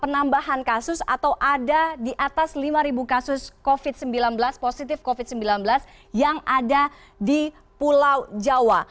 penambahan kasus atau ada di atas lima kasus covid sembilan belas positif covid sembilan belas yang ada di pulau jawa